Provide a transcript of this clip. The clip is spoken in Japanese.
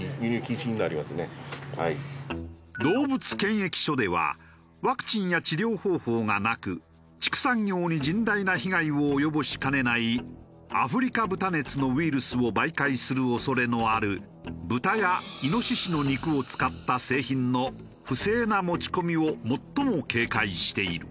動物検疫所ではワクチンや治療方法がなく畜産業に甚大な被害を及ぼしかねないアフリカ豚熱のウイルスを媒介する恐れのある豚やイノシシの肉を使った製品の不正な持ち込みを最も警戒している。